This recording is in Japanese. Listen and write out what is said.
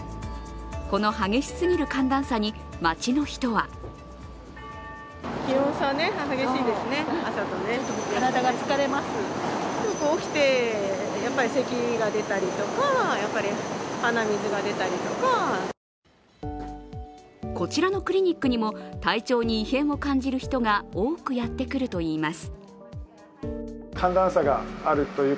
この激しすぎる寒暖差に街の人はこちらのクリニックにも、体調に異変を感じる人が多くやってくるといいます。